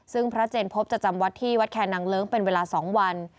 ซึ่งพระเจนพบจะจำวัดที่วัดแคนังเลิ้งเป็นเวลา๒วัน